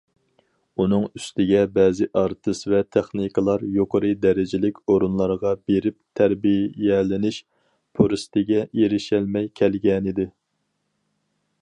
ئۇنىڭ ئۈستىگە بەزى ئارتىس ۋە تېخنىكلار يۇقىرى دەرىجىلىك ئورۇنلارغا بېرىپ تەربىيەلىنىش پۇرسىتىگە ئېرىشەلمەي كەلگەنىدى.